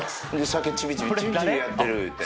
酒ちびちびちびちびやってるいうて。